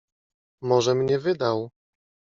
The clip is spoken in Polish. "Może mnie wydał."